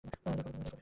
এটা প্রকৃতির নিয়ম।